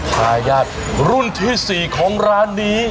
ทายาทรุ่นที่๔ของร้านนี้